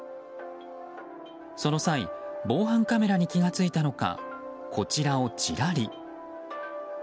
その際、防犯カメラに気が付いたのかこちらをチラリ。